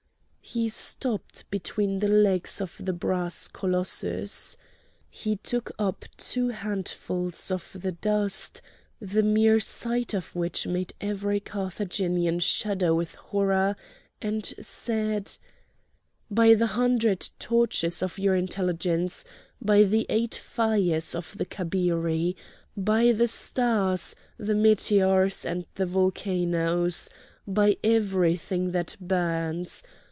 He stopped between the legs of the brass colossus. He took up two handfuls of the dust, the mere sight of which made every Carthaginian shudder with horror, and said: "By the hundred torches of your Intelligences! by the eight fires of the Kabiri! by the stars, the meteors, and the volcanoes! by everything that burns!